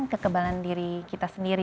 kelembagaan diri kita sendiri